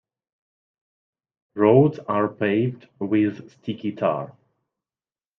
Roads are paved with sticky tar.